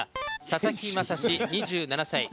佐々木真志、２７歳。